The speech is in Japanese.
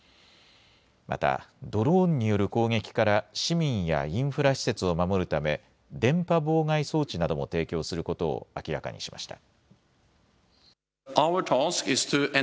またドローンによる攻撃から市民やインフラ施設を守るため電波妨害装置なども提供することを明らかにしました。